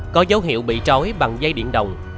có dấu hiệu bị trói bằng dây điện đồng